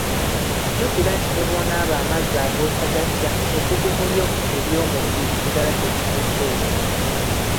Jjukira nti ne bw’onaaba amazzi agookya gatya, ebbugumu lyo ery’omubiri lisigala terikyuseeko.